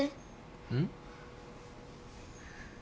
うん？